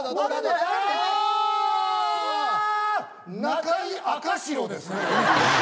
中居赤白ですね。